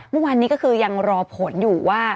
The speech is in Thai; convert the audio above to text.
เมื่อวานนี้ก็คือยังรอผลอยู่ว่า